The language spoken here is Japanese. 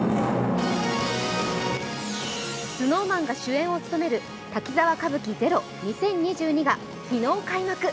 ＳｎｏｗＭａｎが主演を務める「滝沢歌舞伎ＺＥＲＯ２０２２」が昨日開幕。